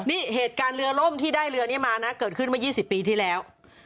นี่เหตุการณ์เรือล่มที่ได้เรือนี้มานะเกิดขึ้นมา๒๐ปีที่แล้ว